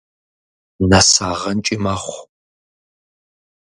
НэсагъэнкӀи мэхъу.